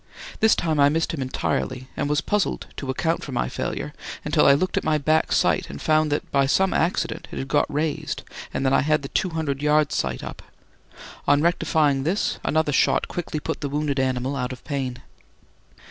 This time I missed him entirely, and was puzzled to account for my failure until I looked at my back sight and found that by some accident it had got raised and that I had the 200 yards sight up. On rectifying this, another shot quickly put the wounded animal out of pain.